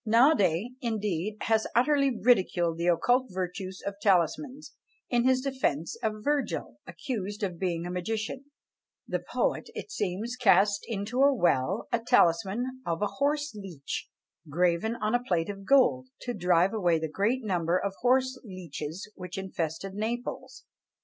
Naudé, indeed, has utterly ridiculed the occult virtues of talismans, in his defence of Virgil, accused of being a magician: the poet, it seems, cast into a well a talisman of a horse leech, graven on a plate of gold, to drive away the great number of horse leeches which infested Naples.